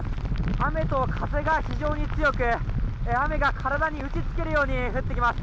雨と風が非常に強く雨が体に打ち付けるように降ってきます。